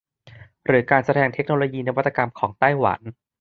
หรือการแสดงเทคโนโลยีนวัตกรรมของไต้หวัน